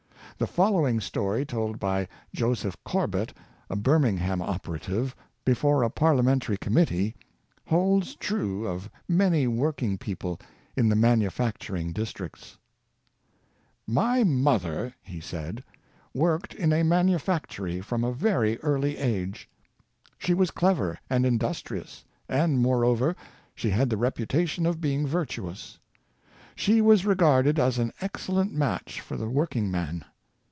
The following story, told by Joseph Corbett, a Birmingham operative, before a Parliamentary committee, holds true of many working people in the manufacturing dis tricts: " My mother," he said, " worked in a manufactory from a very early age. She was clever and industrious, and, moreover, she had the reputation of being virtu ous. She was regarded as an excellent match for the working man.